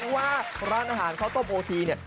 ว่าร้านอาหารข้าวต้มโอทีเนี่ย